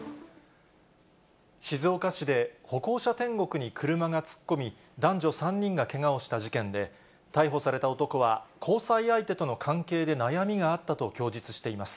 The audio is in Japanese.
静岡市で歩行者天国に車が突っ込み、男女３人がけがをした事件で、逮捕された男は、交際相手との関係で悩みがあったと供述しています。